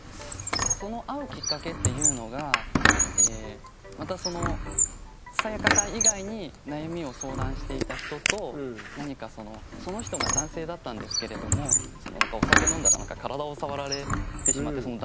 その会うきっかけっていうのがまたそのサヤカさん以外に悩みを相談していた人とその人が男性だったんですけれどもお酒飲んだら体を触られてしまってその男性に。